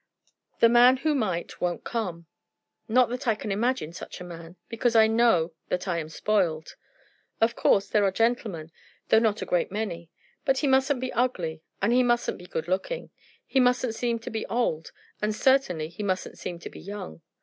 The man who might, won't come. Not that I can imagine such a man, because I know that I am spoiled. Of course there are gentlemen, though not a great many. But he mustn't be ugly and he mustn't be good looking. He mustn't seem to be old, and certainly he mustn't seem to be young.